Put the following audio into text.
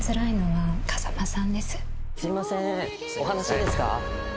すみません、お話いいですか？